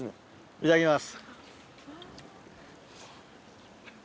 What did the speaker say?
いただきます。